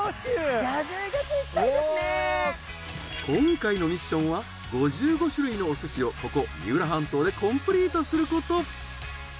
今回のミッションは５５種類のお寿司をここ三浦半島でコンプリートすること。